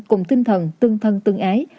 cùng tinh thần tương thân tương ái